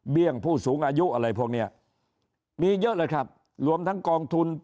ผู้สูงอายุอะไรพวกเนี้ยมีเยอะเลยครับรวมทั้งกองทุน